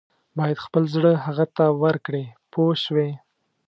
باید خپل زړه هغه ته ورکړې پوه شوې!.